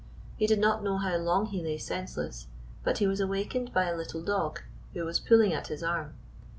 He did not know how long he lay senseless, but he was awakened by a little dog who was pulling at his arm.